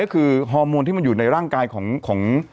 ก็คือฮอร์โมนที่มันอยู่ในร่างกายของ